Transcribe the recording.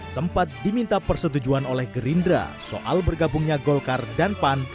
sempat diminta persetujuan oleh gerindra soal bergabungnya golkar dan pan